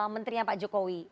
menterinya pak jokowi